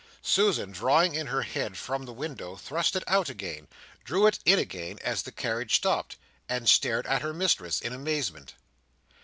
Susan, drawing in her head from the window, thrust it out again, drew it in again as the carriage stopped, and stared at her mistress in amazement.